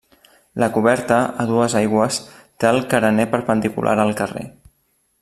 La coberta, a dues aigües, té el carener perpendicular al carrer.